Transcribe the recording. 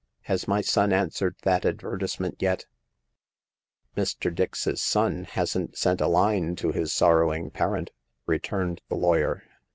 Has my son answered that advertisement yet ?"" Mr. Dix's son hasn't sent a line to his sor rowing parent," returned the lawyer.